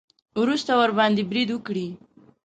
وروسته ورباندې برید وکړي.